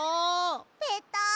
ペタン。